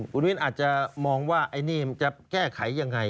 คุณวินอาจจะมองว่าไอ้นี่มันจะแก้ไขยังไง